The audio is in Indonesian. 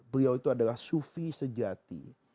beliau itu adalah sufi sejati